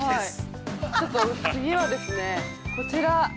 ◆ちょっと次はですね、こちら。